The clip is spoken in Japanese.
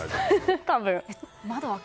多分。